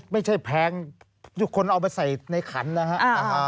ไม่ใช่แพงทุกคนเอามาใส่ในขันนะครับ